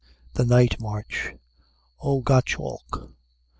THE NIGHT MARCH O GOTTSCHALK!